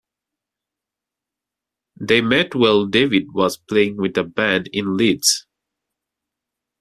They met while David was playing with a band in Leeds.